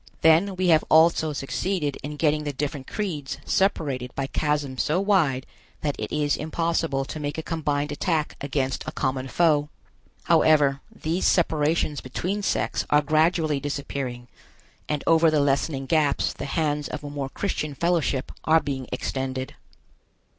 Then we have also succeeded in getting the different creeds separated by chasms so wide that it is impossible to make a combined attack against a common foe. However, these separations between sects are gradually disappearing, and over the lessening gaps the hands of a more Christian fellowship are being extended.